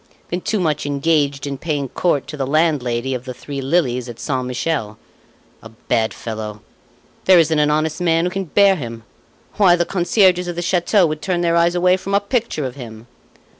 been too much engaged in paying court to the landlady of the Three Lilies at Saint Michel. A bad fellow! There isn't an honest man who can bear him. Why, the concierges of the chateau would turn their eyes away from a picture of him!"